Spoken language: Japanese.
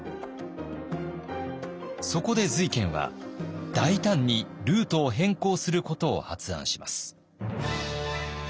そこで瑞賢は大胆にルートを変更することを発案します。